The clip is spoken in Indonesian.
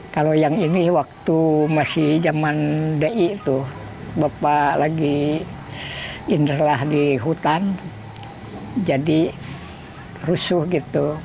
kalau yang ini waktu masih zaman di tuh bapak lagi inder lah di hutan jadi rusuh gitu